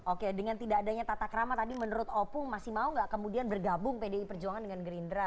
oke dengan tidak adanya tata kerama tadi menurut opung masih mau gak kemudian bergabung pdip dengan gerindra